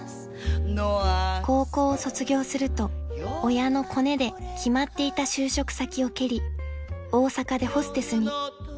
［高校を卒業すると親のコネで決まっていた就職先を蹴り大阪でホステスに］